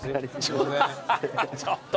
ちょっと。